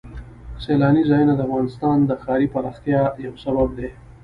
سیلاني ځایونه د افغانستان د ښاري پراختیا یو سبب دی.